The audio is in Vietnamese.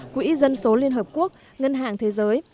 quỹ dân số liên hợp quốc ngân hàng thế giới